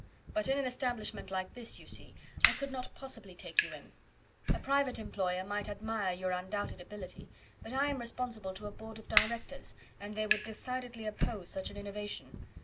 But in an establishment like this, you see, I could not possibly take you in. A private employer might admire your undoubted ability; but I am responsible to a Board of Directors, and they would decidedly oppose such an innovation.